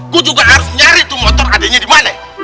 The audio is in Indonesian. gua juga harus nyari tuh motor adeknya dimana